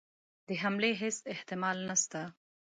د حملې هیڅ احتمال نسته.